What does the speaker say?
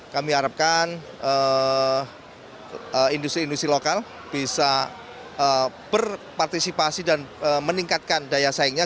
kami harapkan industri industri lokal bisa berpartisipasi dan meningkatkan daya saingnya